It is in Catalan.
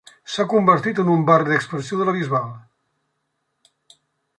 S'ha convertit en un barri d’expansió de la Bisbal.